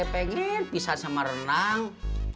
pengen pisah sama renang